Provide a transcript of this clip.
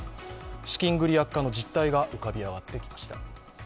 資金繰り悪化の実態が浮かび上がってきました。